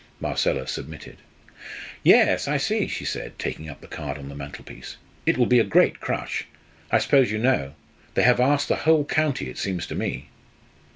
Marcella submitted. "Yes, I see," she said, taking up a card on the mantelpiece. "It will be a great crush. I suppose you know. They have asked the whole county, it seems to me."